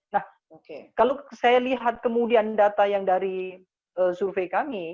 nah kalau saya lihat kemudian data yang dari survei kami